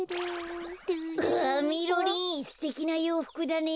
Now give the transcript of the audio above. みろりんすてきなようふくだね。